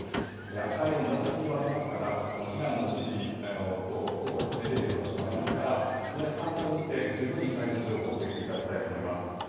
赤色、紫色がありますから避難指示等が出ている場所もありますから参考にして、十分に最新情報をチェックいただきたいと思います。